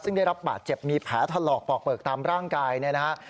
ซึ่งได้รับบาดเจ็บมีแผลทะเลาะปอกเปลือกตามร่างกายนะครับ